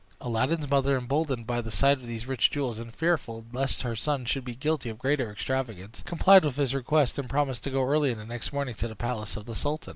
Aladdin's mother, emboldened by the sight of these rich jewels, and fearful lest her son should be guilty of greater extravagance, complied with his request, and promised to go early in the next morning to the palace of the sultan.